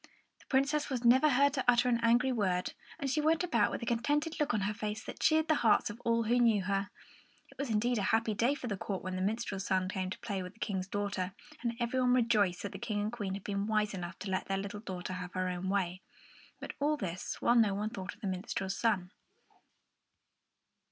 The Princess was never heard to utter an angry word, and she went about with a contented look on her face that cheered the hearts of all who knew her. It was indeed a happy day for the court when the minstrel's son came to play with the King's daughter, and every one rejoiced that the King and the Queen had been wise enough to let their little daughter have her own way. But all this while no one thought of the minstrel's son.